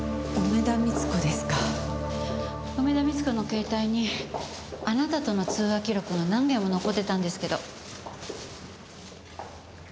梅田三津子の携帯にあなたとの通話記録が何件も残ってたんですけど。